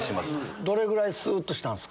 どれぐらいスーッとしたんすか？